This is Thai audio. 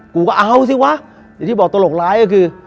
กูก็เอาสิวะอย่างที่บอกตลกร้ายก็คือ